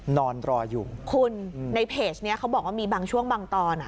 นอนรออยู่คุณในเพจเนี้ยเขาบอกว่ามีบางช่วงบางตอนอ่ะ